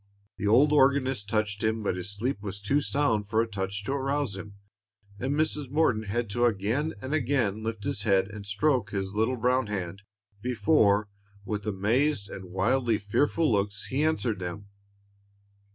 The old organist touched him; but his sleep was too sound for a touch to arouse him, and Mrs. Morton had to again and again lift his head and stroke his little brown hand, before, with amazed and widely fearful looks, he answered them.